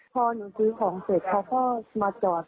พอหนูซื้อของเสร็จเขาก็มาจอด